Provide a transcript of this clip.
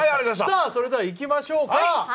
さあそれではいきましょうか。